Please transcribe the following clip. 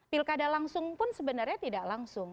pilkada langsung pun sebenarnya tidak langsung